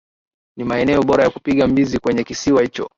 Ni maeneo bora ya kupiga mbizi kwenye kisiwa hicho